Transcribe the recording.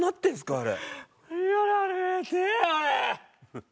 あれ。